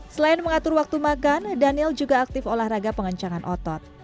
selain mengatur waktu makan daniel juga aktif olahraga pengencangan otot